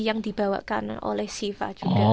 yang dibawakan oleh siva